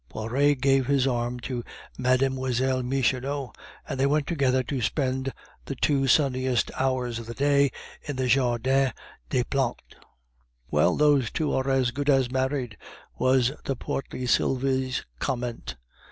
Poiret gave his arm to Mlle. Michonneau, and they went together to spend the two sunniest hours of the day in the Jardin des Plantes. "Well, those two are as good as married," was the portly Sylvie's comment.